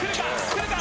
くるか？